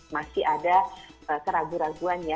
masih ada seraguan raguan ya